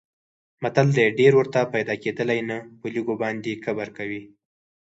متل دی: ډېرې ورته پیدا کېدلې نه په لږو باندې کبر کوي.